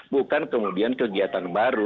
bukan kemudian kegiatan baru